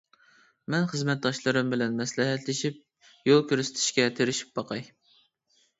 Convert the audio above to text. مەن خىزمەتداشلىرىم بىلەن مەسلىھەتلىشىپ يول كۆرسىتىشكە تىرىشىپ باقاي.